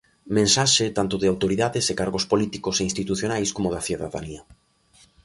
Mensaxes tanto de autoridades e cargos políticos e institucionais como da cidadanía.